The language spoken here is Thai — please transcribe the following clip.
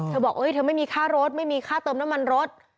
บอกเธอไม่มีค่ารถไม่มีค่าเติมน้ำมันรถ